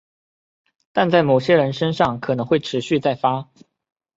但在某些人身上可能会持续再发。